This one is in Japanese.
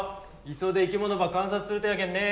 磯で生き物ば観察するとやけんね。